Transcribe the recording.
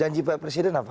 janji pak presiden apa